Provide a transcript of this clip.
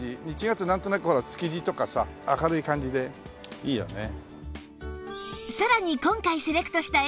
１月なんとなくほら築地とかさ明るい感じでいいよね。